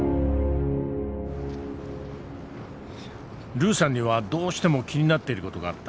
ルーさんにはどうしても気になっている事があった。